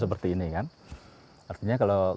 seperti ini kan artinya kalau